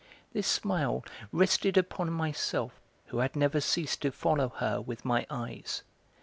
This smile rested upon myself, who had never ceased to follow her with my eyes.